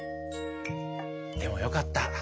でもよかった。